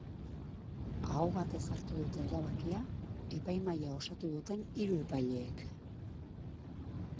Aho batez hartu dute erabakia epaimahaia osatu duten hiru epaileek.